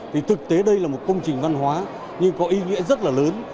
thì thực tế đây là một công trình văn hóa nhưng có ý nghĩa rất là lớn